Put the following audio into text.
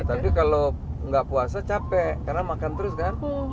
tapi kalau nggak puasa capek karena makan terus kan